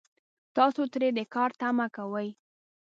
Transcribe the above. تاسو ترې د کار تمه کوئ